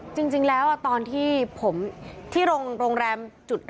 จริงจริงแล้วอ่ะตอนที่ผมที่โรงแรมจุด